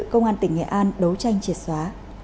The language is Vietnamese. công an tỉnh nghệ an đấu tranh triệt xóa